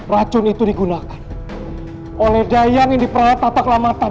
racun itu digunakan oleh dayang yang diperoleh tak terlamatan